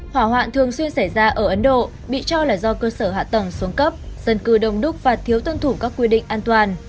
hỏa hoạn thường xuyên xảy ra ở ấn độ bị cho là do cơ sở hạ tầng xuống cấp dân cư đông đúc và thiếu tuân thủ các quy định an toàn